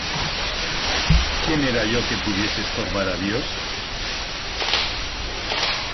¿quién era yo que pudiese estorbar á Dios?